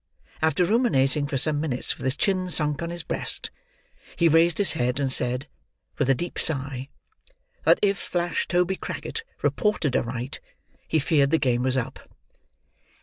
After ruminating for some minutes with his chin sunk on his breast, he raised his head and said, with a deep sigh, that if flash Toby Crackit reported aright, he feared the game was up.